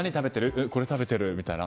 うん、これ食べてるみたいな。